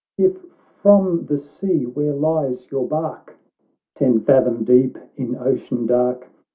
—" If from the sea, where lies your bark ?"—" Ten fathom deep in ocean dark